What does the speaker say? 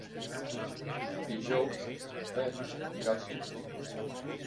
Dijous na Cloè anirà al cinema.